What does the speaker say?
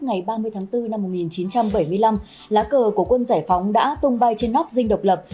ngày ba mươi tháng bốn năm một nghìn chín trăm bảy mươi năm lá cờ của quân giải phóng đã tung bay trên nóc dinh độc lập